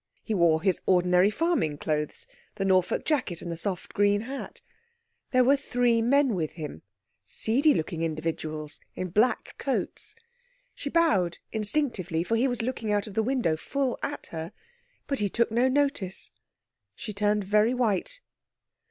He wore his ordinary farming clothes, the Norfolk jacket, and the soft green hat. There were three men with him, seedy looking individuals in black coats. She bowed instinctively, for he was looking out of the window full at her, but he took no notice. She turned very white.